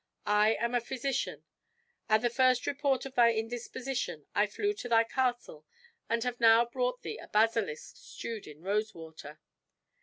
I am a physician; at the first report of thy indisposition I flew to thy castle and have now brought thee a basilisk stewed in rose water.